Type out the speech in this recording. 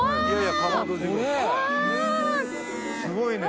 すごいね。